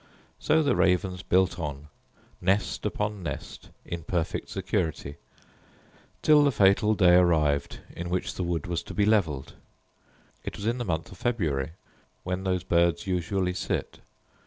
So the ravens built on, nest upon nest, in perfect security, till the fatal day arrived in which the wood was to be levelled. It was in the month of February, when those birds usually sit.